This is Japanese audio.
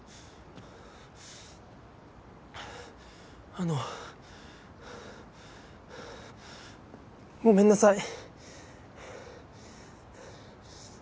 あのごめんなさい！